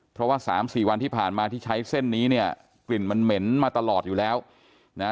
เพราะว่าสามสี่วันที่ผ่านมาที่ใช้เส้นนี้เนี่ยกลิ่นมันเหม็นมาตลอดอยู่แล้วนะ